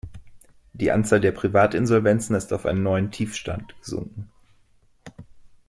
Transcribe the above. Die Anzahl der Privatinsolvenzen ist auf einen neuen Tiefstand gesunken.